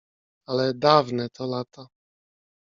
"Ale dawne to lata."